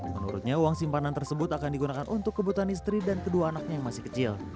menurutnya uang simpanan tersebut akan digunakan untuk kebutuhan istri dan kedua anaknya yang masih kecil